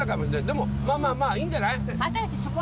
でもまぁまぁまぁいいんじゃない？